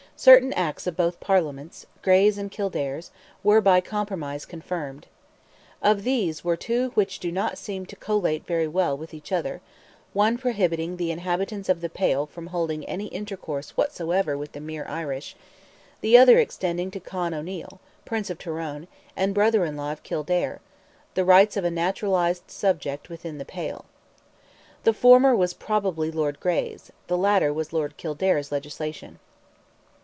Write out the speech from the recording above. Certain Acts of both Parliaments—Grey's and Kildare's—were by compromise confirmed. Of these were two which do not seem to collate very well with each other; one prohibiting the inhabitants of the Pale from holding any intercourse whatsoever with the mere Irish; the other extending to Con O'Neil, Prince of Tyrone, and brother in law of Kildare, the rights of a naturalized subject within the Pale. The former was probably Lord Grey's; the latter was Lord Kildare's legislation.